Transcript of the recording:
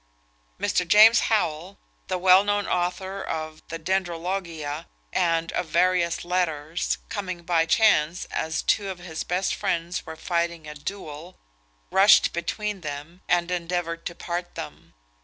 Mr. James Howell, the well known author of the Dendrologia, and of various letters, coming by chance as two of his best friends were fighting a duel, rushed between them and endeavoured to part them.